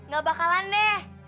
gak bakalan nek